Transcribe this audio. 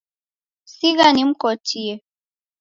Sigha nimkotie.